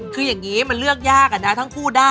คือยังนี้เลือกยากทั้งคู่นนะ